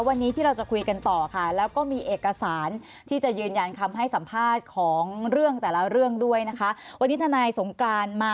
วันนี้ที่เราจะคุยกันต่อค่ะแล้วก็มีเอกสารที่จะยืนยันคำให้สัมภาษณ์ของเรื่องแต่ละเรื่องด้วยนะคะวันนี้ทนายสงกรานมา